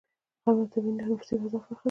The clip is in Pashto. غرمه د طبیعي تنفسي فضا برخه ده